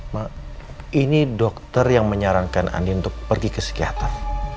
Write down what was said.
mak ini dokter yang menyarankan andi untuk pergi ke psikiater